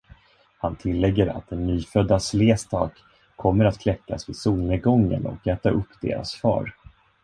Han tillägger att den nyfödda Sleestak kommer att kläckas vid solnedgången och äta upp deras far.